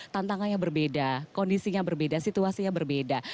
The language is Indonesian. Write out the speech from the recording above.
tantangannya berbeda kondisinya berbeda situasinya berbeda